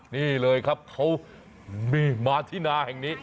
นี่เลยครับเขามีมาที่นาแห่งนี้